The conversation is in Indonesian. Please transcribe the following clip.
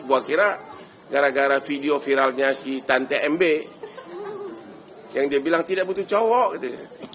gue akhirnya gara gara video viralnya si tante mb yang dia bilang tidak butuh cowok gitu